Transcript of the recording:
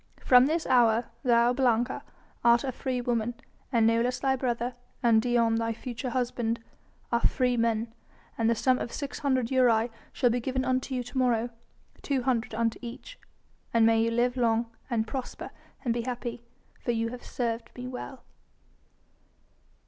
From this hour, thou, Blanca, art a freewoman, and Nolus thy brother, and Dion, thy future husband, are freemen, and the sum of six hundred aurei shall be given unto you to morrow two hundred unto each and may you live long and prosper and be happy, for you have served me well."